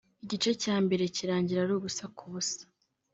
igice cya mbere kirangira ari ubusa ku busa